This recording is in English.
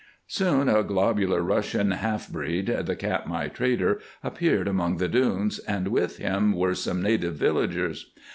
Soon a globular Russian half breed, the Katmai trader, appeared among the dunes, and with him were some native villagers.